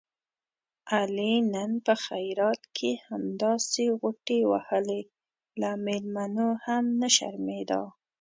علي نن په خیرات کې همداسې غوټې وهلې، له مېلمنو هم نه شرمېدا.